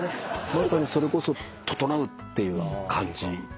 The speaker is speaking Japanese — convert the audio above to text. まさにそれこそととのうっていう感じですかね。